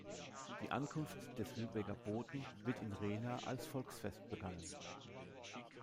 Die Ankunft des Lübecker Boten wird in Rehna als Volksfest begangen.